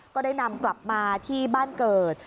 ก็ได้นำกลับมาที่บ้านเกิด